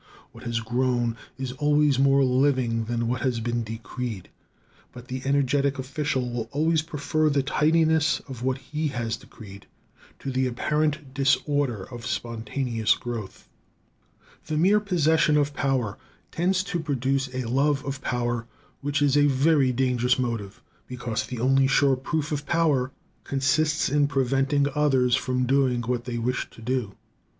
What has grown is always more living than what has been decreed; but the energetic official will always prefer the tidiness of what he has decreed to the apparent disorder of spontaneous growth. The mere possession of power tends to produce a love of power, which is a very dangerous motive, because the only sure proof of power consists in preventing others from doing what they wish to do.